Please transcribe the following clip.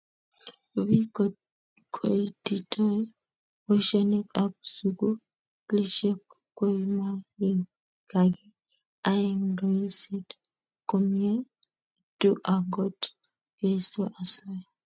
Biik koititoi boisionik ako sugulisyek koimaikagee: aeng', loiseet komieitu angot keisto asoya.